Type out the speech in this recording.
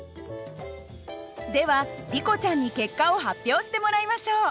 ではリコちゃんに結果を発表してもらいましょう。